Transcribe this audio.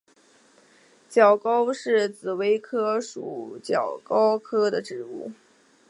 角蒿是紫葳科角蒿属的植物。